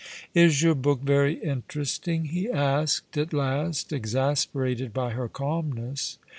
" Is your book very interesting ?" he asked, at last, exas perated by her calmness.